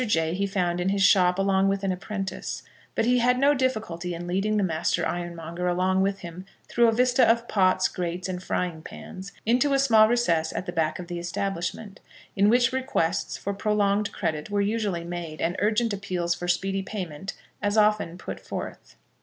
Jay he found in his shop along with an apprentice, but he had no difficulty in leading the master ironmonger along with him through a vista of pots, grates and frying pans, into a small recess at the back of the establishment, in which requests for prolonged credit were usually made, and urgent appeals for speedy payment as often put forth.